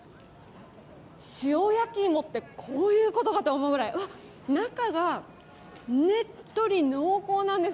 塩やきいもってこういうことだと思うくらい中がねっとり濃厚なんです。